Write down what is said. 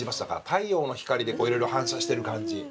太陽の光でいろいろ反射してる感じ。